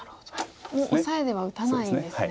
もうオサエでは打たないんですね。